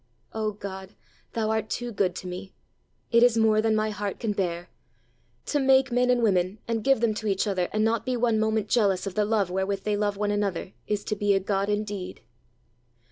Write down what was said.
O God, thou art too good to me! It is more than my heart can bear! To make men and women, and give them to each other, and not be one moment jealous of the love wherewith they love one another, is to be a God indeed!"